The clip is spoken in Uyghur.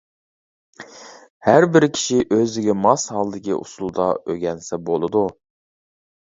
ھەر بىر كىشى ئۆزىگە ماس ھالدىكى ئۇسۇلدا ئۆگەنسە بولىدۇ.